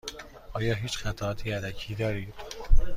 آیا هیچ قطعات یدکی دارید؟